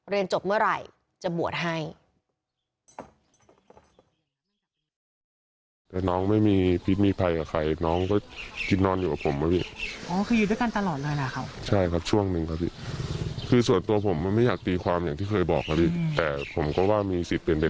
เรียนจบเมื่อไหร่จะบวชให้